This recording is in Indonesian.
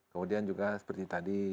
kemudian juga seperti tadi